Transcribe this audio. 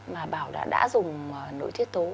mà bảo đã dùng nội thiết tố